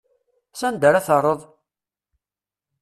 S anda ara terreḍ?